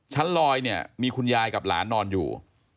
ลอยเนี่ยมีคุณยายกับหลานนอนอยู่